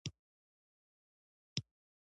بدخشان د افغانستان د پوهنې نصاب کې شامل دي.